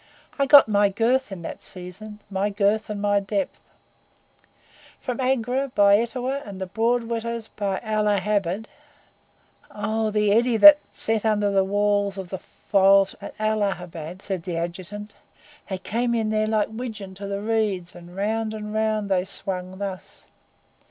I got my girth in that season my girth and my depth. From Agra, by Etawah and the broad waters by Allahabad " "Oh, the eddy that set under the walls of the fort at Allahabad!" said the Adjutant. "They came in there like widgeon to the reeds, and round and round they swung thus!"